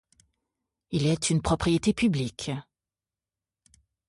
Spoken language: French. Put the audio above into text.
Il est une propriété publique.